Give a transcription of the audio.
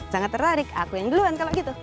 sangat tertarik aku yang duluan kalau gitu